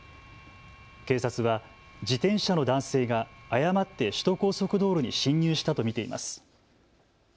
警察は自転車の男性が誤って首都高速道路に進入したと見ています。